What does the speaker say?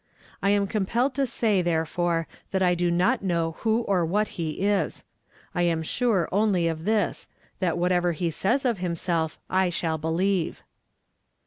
I am compelled to say, the', fore, that I do not know who or what he is. I am sure only of this, —that whatever he says of himself, I shall believe."